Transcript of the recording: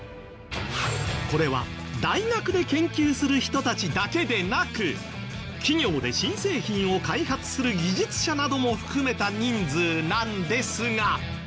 これは大学で研究する人たちだけでなく企業で新製品を開発する技術者なども含めた人数なんですが。